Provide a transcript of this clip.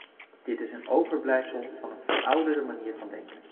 Dit is een overblijfsel van een verouderde manier van denken.